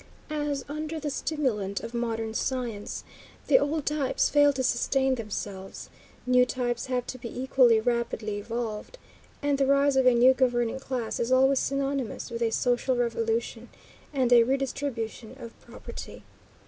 As, under the stimulant of modern science, the old types fail to sustain themselves, new types have to be equally rapidly evolved, and the rise of a new governing class is always synonymous with a social revolution and a redistribution of property.